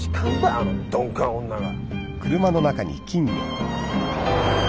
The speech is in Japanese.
あの鈍感女が。